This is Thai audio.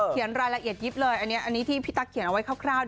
รายละเอียดยิบเลยอันนี้ที่พี่ตั๊กเขียนเอาไว้คร่าว